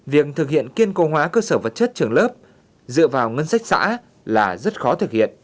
việc thực hiện kiên cố hóa cơ sở vật chất trường lớp dựa vào ngân sách xã là rất khó thực hiện